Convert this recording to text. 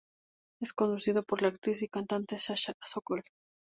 Es conducido por la actriz y cantante Sasha Sokol.